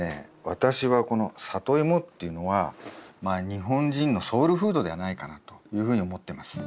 私はこのサトイモっていうのはまあ日本人のソウルフードではないかなというふうに思ってます。